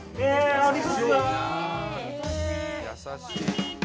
優しい！